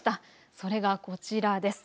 それがこちらです。